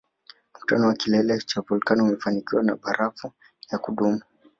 Mkutano wa kilele cha volkano umefunikwa na barafu ya kudumu